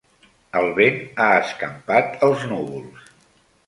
El vent ha escampat els núvols.